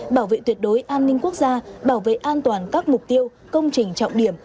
bảo vệ tuyệt đối an ninh quốc gia bảo vệ an toàn các mục tiêu công trình trọng điểm